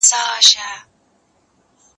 ما چي ول احمد به په دفتر کي وي